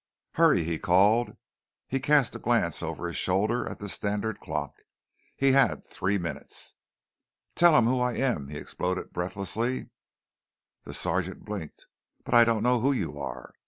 "Hurry!" he called. He cast a glance over his shoulder at the standard clock. He had three minutes. "Tell 'em who I am!" he exploded breathlessly. The sergeant blinked. "But I don't know who you are."